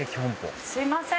すいません。